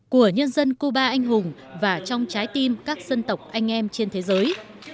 của nhân dân cuba anh hùng và trong trái tim các dân tộc anh em trên thế giới